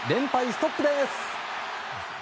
ストップです！